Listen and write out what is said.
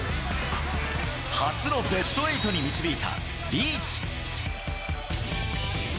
初のベスト８に導いた、リーチ。